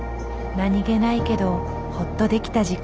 何気ないけどホッとできた時間。